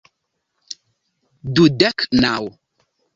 Dudek naŭ